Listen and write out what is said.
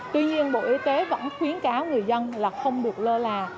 tuy nhiên bộ y tế vẫn khuyến cáo người dân là không được lơ là